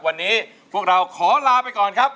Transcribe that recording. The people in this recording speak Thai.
วันนี้พวกเราขอลาไปก่อนครับ